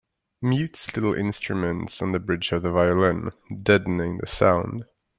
Mutes little instruments on the bridge of the violin, deadening the sound.